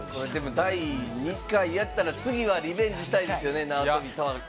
第２回やったら次は、リベンジしたいですよね。